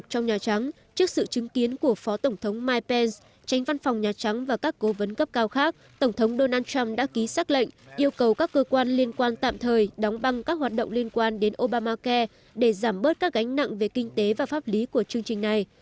trong những chứng kiến của phó tổng thống mike pence tranh văn phòng nhà trắng và các cố vấn cấp cao khác tổng thống donald trump đã ký xác lệnh yêu cầu các cơ quan liên quan tạm thời đóng băng các hoạt động liên quan đến obamacare để giảm bớt các gánh nặng về kinh tế và pháp lý của chương trình này